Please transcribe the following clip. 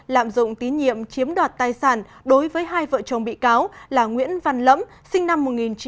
lạm dụng tín nhiệm chiếm đoạt tài sản đối với hai vợ chồng bị cáo là nguyễn văn lẫm sinh năm một nghìn chín trăm tám mươi